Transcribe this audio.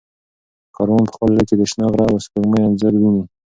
کاروان په خپل زړه کې د شنه غره او سپوږمۍ انځور ویني.